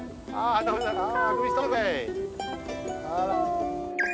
あら。